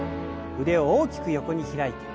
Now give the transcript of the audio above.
腕を大きく横に開いて。